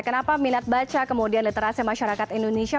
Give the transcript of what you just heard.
kenapa minat baca kemudian literasi masyarakat indonesia